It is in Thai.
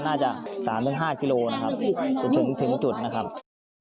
น่าจะสามหรือห้ากิโลนะครับถึงถึงจุดนะครับ